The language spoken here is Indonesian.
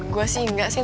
gue sih enggak sih